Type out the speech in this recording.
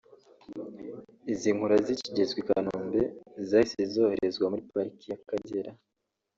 Izi nkura zikigezwa i Kanombe zahise zoherezwa muri Pariki y’Akagera